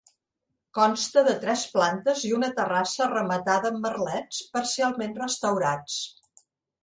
Consta de tres plantes i una terrassa rematada amb merlets, parcialment restaurats.